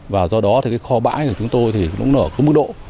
và do đó kho bãi của chúng tôi cũng ở mức độ